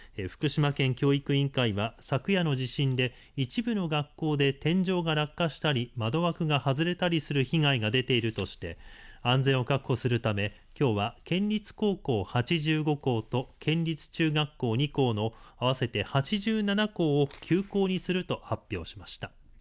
福島県教育委員会は昨夜の地震で一部の学校で天井が落下したり窓枠が外れたりする被害が出ているとして安全を確保するためきょうは県立高校８５校と県立中学校２校の合わせて８７校を休校にすると発表しました。